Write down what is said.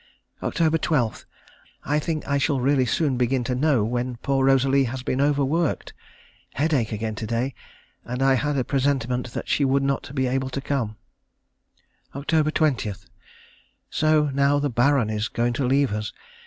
Oct. 12. I think I shall really soon begin to know when poor Rosalie has been over worked. Headache again to day, and I had a presentiment that she would not be able to come.... Oct. 20. So now the Baron is going to leave us.